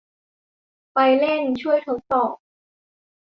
ไปเล่น - ช่วยทดสอบ